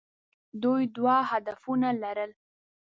دوی دوه هدفونه لرل.